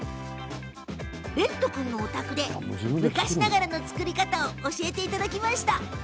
れんと君のお宅で、昔ながらの作り方を教えていただきました。